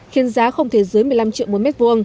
khiến giá không thể dưới một mươi năm triệu một m hai